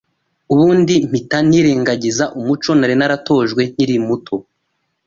ubundi mpita nirengagiza umuco nari naratojwe nkiri muto